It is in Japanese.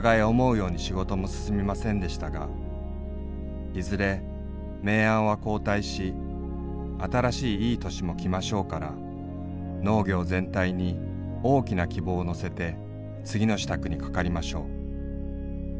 やうに仕事も進みませんでしたがいづれ明暗は交替し新らしいいヽ歳も来ませうから農業全体に巨きな希望を載せて次の支度にかかりませう。